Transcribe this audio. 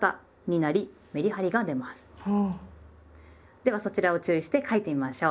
ではそちらを注意して書いてみましょう。